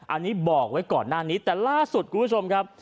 อันนี้บอกไว้ก่อนหน้านี้แต่ล่าสุดคุณผู้ชมครับ